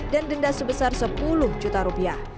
dan denda sebesar sepuluh juta rupiah